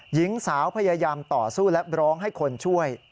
หญิงสาวพยายามต่อสู้และร้องให้คนช่วย